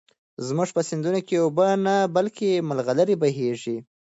زموږ په سيندونو کې اوبه نه، بلكې ملغلرې بهېږي.